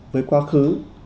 với quá khứ